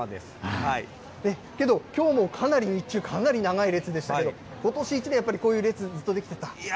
けど、きょうもかなり日中、かなり長い列でしたけれども、ことし１年、ずっとこういう列、ずっとできてた？